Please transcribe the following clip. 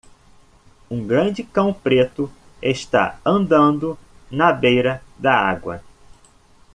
Um grande cão preto está andando na beira da água.